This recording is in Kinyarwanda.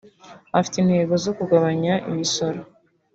Afite intego zo kugabanya imisoro